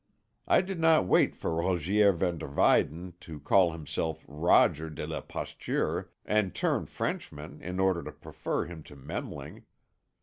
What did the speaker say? I did not wait for Rogier van der Wyden to call himself Roger de la Pasture and turn Frenchman in order to prefer him to Memling.